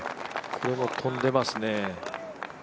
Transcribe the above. これも飛んでますね。